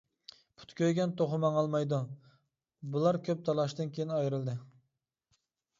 پۇتى كۆيگەن توخۇ ماڭالمايدۇ. بۇلار كۆپ تالاشتىن كېيىن ئايرىلدى.